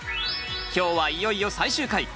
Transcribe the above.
今日はいよいよ最終回。